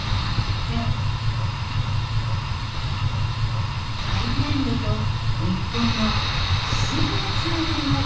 アイルランドと日本の不思議なつながりを着物に込めました。